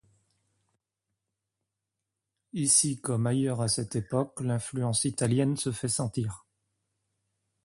Ici, comme ailleurs à cette époque, l'influence italienne se fait sentir.